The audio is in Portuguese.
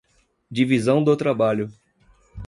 Divisão do trabalho